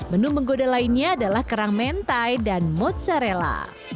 menu menggoda lainnya adalah kerang mentai dan mozzarella